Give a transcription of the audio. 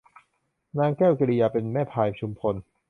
นางแก้วกิริยาเป็นแม่พลายชุมพล